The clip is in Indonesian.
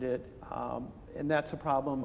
dan itu adalah masalah